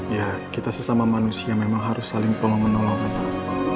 ya kita sesama manusia memang harus saling tolong menolong tetap